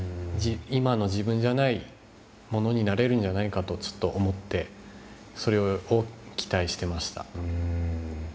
今の自分じゃないものになれるんじゃないかとずっと思ってそれを期待してました。